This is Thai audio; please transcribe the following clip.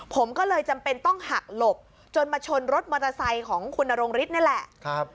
ผมก็เลยจำเป็นต้องหักหลบจนมาชนรถมอเตอร์ไซค์ของคุณนรงฤทธินี่แหละ